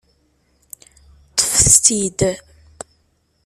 Ṭṭfet-t-id!